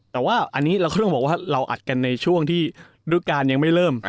แต่ว่าอันนี้เราก็ต้องบอกว่าเราอัดกันในช่วงที่ฤดูการยังไม่เริ่ม